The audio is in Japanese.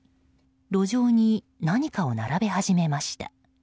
路上に何かを並べ始めました。